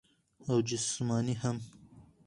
او جسماني هم -